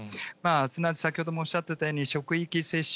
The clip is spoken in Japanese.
すなわち先ほどもおっしゃっていたように、職域接種、